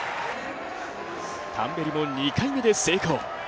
タンベリも２回目で成功。